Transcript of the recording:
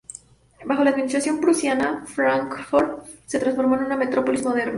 Bajo la administración prusiana, Fráncfort se transformó en una metrópolis moderna.